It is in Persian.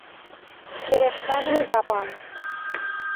گرفتن زبان